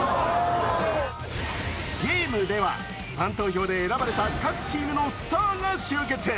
ゲームではファン投票で選ばれた各チームのスターが集結。